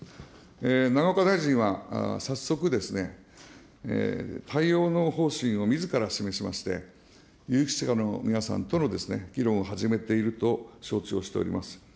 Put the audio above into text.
永岡大臣は早速、の方針をみずから示しまして、有識者の皆さんとの議論を始めていると承知をしております。